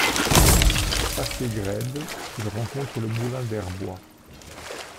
Passé Graide, il rencontre le moulin d'Herbois.